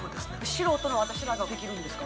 素人の私らができるんですか？